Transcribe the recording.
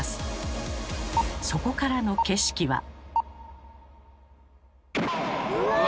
そこからの景色は。うわ！